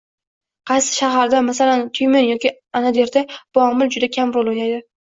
Qaysidir shaharda, masalan, Tyumen yoki Anadirda bu omil juda kam rol oʻynaydi.